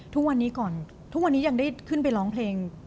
ทุกวันนี้ก่อนทุกวันนี้ยังได้ขึ้นไปร้องเพลง